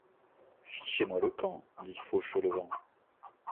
Fichez-moi le camp, dit Fauchelevent.